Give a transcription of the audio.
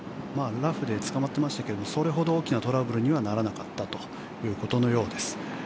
ラフでつかまってましたけどそれほど大きなトラブルにはならなかったということのようです。